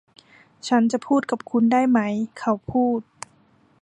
ฉันจะพูดกับคุณได้ไหม ? เขาพูด